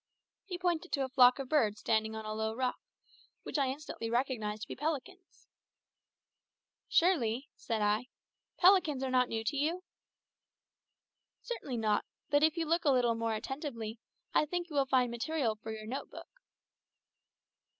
He pointed to a flock of birds standing on a low rock, which I instantly recognised to be pelicans. "Surely," said I, "pelicans are not new to you!" "Certainly not; but if you look a little more attentively, I think you will find material for your note book."